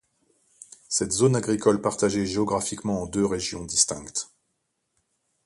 C'est zone agricole partagée géographiquement en deux régions distinctes.